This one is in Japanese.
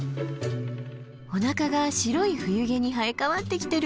おなかが白い冬毛に生え変わってきてる。